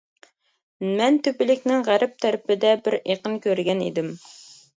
مەن تۆپىلىكنىڭ غەرب تەرىپىدە بىر ئېقىن كۆرگەن ئىدىم.